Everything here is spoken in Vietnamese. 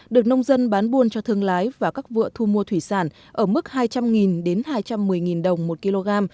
được nông dân bán buôn cho thương lái và các vựa thu mua thủy sản ở mức hai trăm linh đến hai trăm một mươi đồng một kg